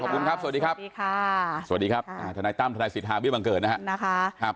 ขอบคุณครับสวัสดีครับสวัสดีครับธนัยตั้มธนัยศิษฐาวิวังเกิดนะครับ